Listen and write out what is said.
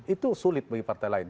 itu sulit bagi partai lain